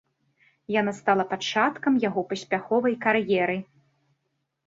Яна стала пачаткам яго паспяховай кар'еры.